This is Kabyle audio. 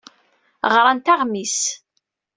Ɣrant aɣmis.